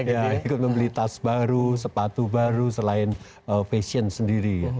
ya ikut membeli tas baru sepatu baru selain fashion sendiri